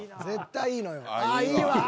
絶対いいのよ。